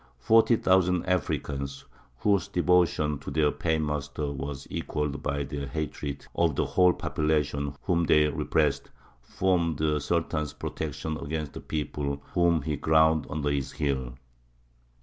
Forty thousand Africans, whose devotion to their paymaster was equalled by their hatred of the whole population whom they repressed, formed the Sultan's protection against the people whom he ground under his heel.